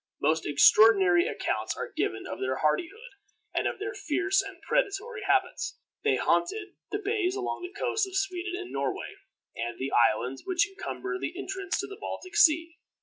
Most extraordinary accounts are given of their hardihood, and of their fierce and predatory habits. They haunted the bays along the coasts of Sweden and Norway, and the islands which encumber the entrance to the Baltic Sea.